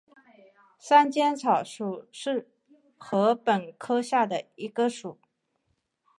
山涧草属是禾本科下的一个属。